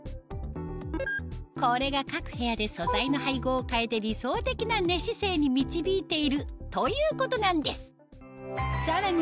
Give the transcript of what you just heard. これが各部屋で素材の配合を変えて理想的な寝姿勢に導いているということなんですさらに